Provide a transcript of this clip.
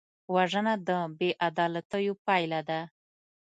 وژنه د بېعدالتیو پایله ده